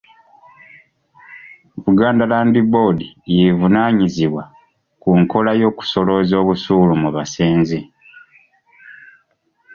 Buganda Land Board y'evunaanyizibwa ku nkola y'okusolooza obusuulu mu basenze.